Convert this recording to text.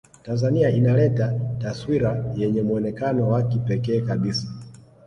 Tanzania inaleta taswira yenye muonekano wa kipekee kabisa